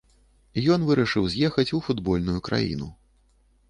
Ён вырашыў з'ехаць у футбольную краіну.